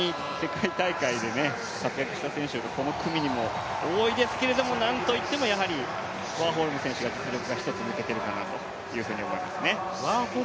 本当に世界大会で活躍した選手がこの組にも多いですけれども、なんといってもやはりワーホルム選手が実力が一つ抜けているかなと思いますね。